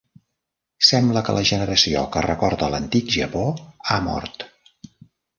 Sembla que la generació que recorda "l'Antic Japó" ha mort.